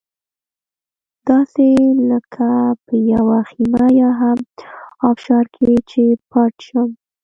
داسې لکه په یوه خېمه یا هم ابشار کې چې پټ شم.